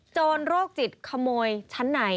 โรคจิตขโมยชั้นใน